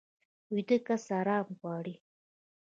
ویده کس ارامي غواړي